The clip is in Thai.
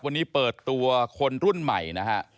วันนี้เปิดตัวคนรุ่นใหม่นะฮะ